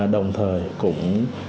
đồng thời cũng